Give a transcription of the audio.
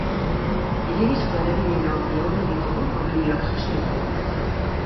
Gehiegizko erabilerabilera horri aurre egiteko gomendioak jaso ditugu.